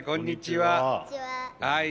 はい。